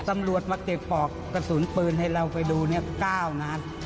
สำรวจมาเจ็บปอกกระสุนปืนให้เราไปดูนี่ก้าวนาน